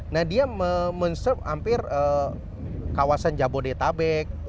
nah dia men serve hampir kawasan jabodetabek